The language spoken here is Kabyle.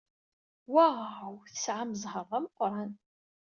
Waw! Tesɛam zzheṛ d ameqran.